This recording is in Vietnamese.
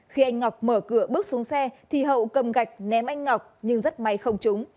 khi anh ngọc mở cửa bước xuống xe thì hậu cầm gạch ném anh ngọc nhưng rất may không trúng